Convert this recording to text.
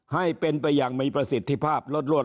ให้เป็นไปอย่างมีประสิทธิภาพลดรวด